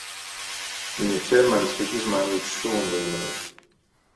Viņa ķermenis tika izmainīts šūnu līmenī.